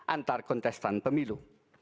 antara kontestan pemilu